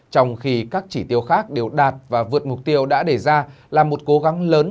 trong khi các chỉ tiêu khác đều đạt và vượt mục tiêu đã đề ra là một cố gắng lớn